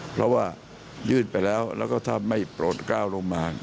เพราะว่ายื่นไปแล้วแล้วก็ถ้าไม่โปรดก้าวลงมา